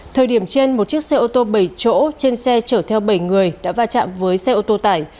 thời điểm trên một chiếc xe ô tô bảy chỗ trên xe chở theo bảy người đã va chạm với xe ô tô tải